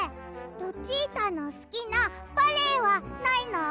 ルチータのすきなバレエはないの？